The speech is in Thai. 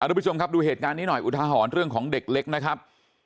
เอาดูผู้ชมดูเหตุงานนี้หน่อยอุทหารเรื่องของเด็กเล็กนะครับ